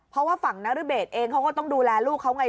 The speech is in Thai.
เพราะว่าฝั่งนรเบศเองเขาก็ต้องดูแลลูกเขาไง